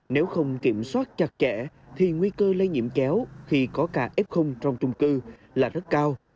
nếu không kiểm soát chặt chẽ thì nguy cơ lây nhiễm chéo khi có ca f trong trung cư là rất cao